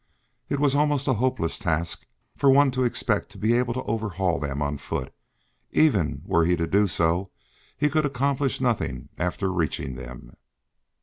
It was almost a hopeless task for one to expect to be able to overhaul them on foot, and even were he to do so he could accomplish nothing after reaching them.